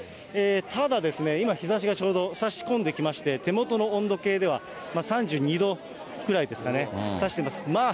ただ、今、日ざしがちょうどさし込んできまして、手元の温度計では、３２度くらいですかね、さしてます。